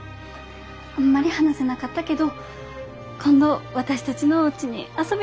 あんまり話せなかったけど今度私たちのおうちに遊びに来てね。